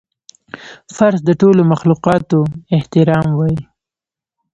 فرض د ټولو مخلوقاتو احترام وای